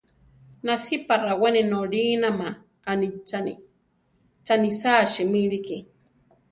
Nasípa rawéni nolínama, anicháni; chanísa simíliki.